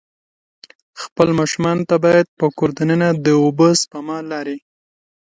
خپلو ماشومان ته باید په کور د ننه د اوبه سپما لارې.